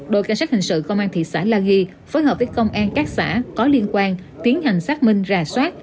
đội cảnh sát hình sự công an thị xã la ghi phối hợp với công an các xã có liên quan tiến hành xác minh rà soát